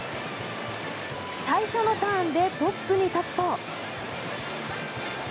最初のターンでトップに立つと。